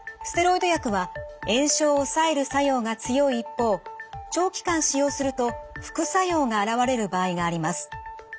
ステロイド薬は炎症を抑える作用が強い一方長期間使用すると副作用が現れる場合があります。